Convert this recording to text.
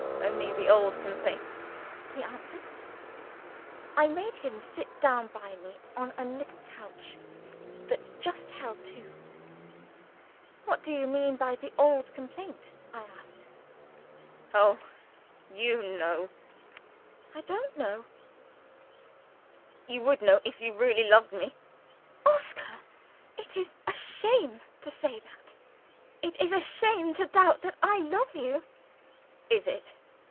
"Only the old complaint," he answered. I made him sit down by me on a little couch that just held two. "What do you mean by the old complaint?" I asked. "Oh! you know!" "I don't know." "You would know if you really loved me." "Oscar! it is a shame to say that. It is a shame to doubt that I love you!" "Is it?